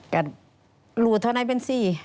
ก็รู้เท่านั้นบัญชี